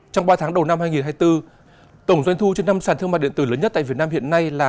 trong ba tháng đầu năm hai nghìn hai mươi bốn tổng doanh thu trên năm sản thương mại điện tử lớn nhất tại việt nam hiện nay là